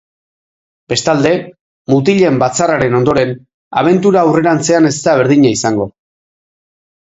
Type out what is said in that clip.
Bestalde, mutilen batzarraren ondoren, abentura aurrerantzean ez da berdina izango.